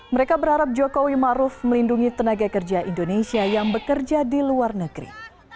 mereka berharap jokowi ma'ruf melindungi tenaga kerja indonesia yang bekerja di luar negeri